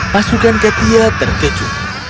pasukan katia terkejut